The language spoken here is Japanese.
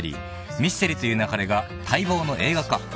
『ミステリと言う勿れ』が待望の映画化］